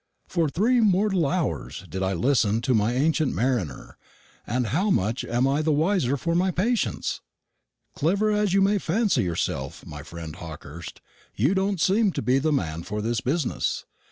For three mortal hours did I listen to my ancient mariner; and how much am I the wiser for my patience? Clever as you may fancy yourself, my friend Hawkehurst, you don't seem to be the man for this business.